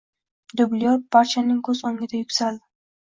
Dublyor barchaning koʻz oʻngida yuksaldi.